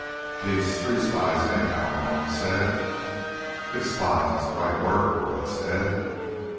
"These three spies, anyhow," Malone said. "If spies is the right word," Boyd said.